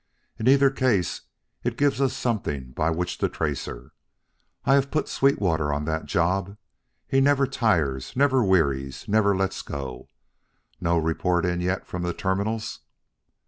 In either case it gives us something by which to trace her. I have put Sweetwater on that job. He never tires, never wearies, never lets go. No report in yet from the terminals?"